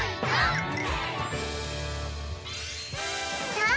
さあ